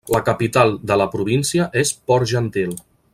La capital de la província es Port-Gentil.